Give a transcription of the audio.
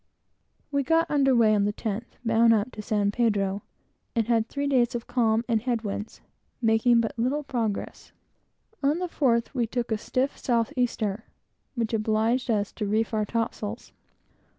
We got under weigh on the 10th, bound up to San Pedro, and had three days of calm and head winds, making but little progress. On the fourth, we took a stiff south easter, which obliged us to reef our topsails.